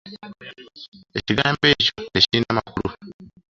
Ekigambo ekyo tekirina makulu.